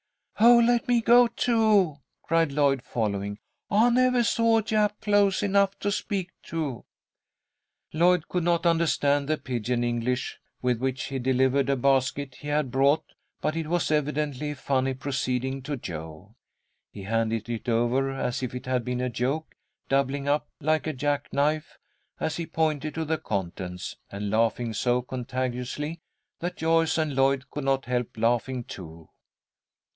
"Oh, let me go, too," cried Lloyd, following. "I nevah saw a Jap close enough to speak to." Lloyd could not understand the pigeon English with which he delivered a basket he had brought, but it was evidently a funny proceeding to Jo. He handed it over as if it had been a joke, doubling up like a jack knife as he pointed to the contents, and laughing so contagiously that Joyce and Lloyd could not help laughing, too.